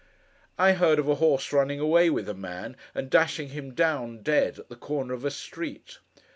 I heard of a horse running away with a man, and dashing him down, dead, at the corner of a street.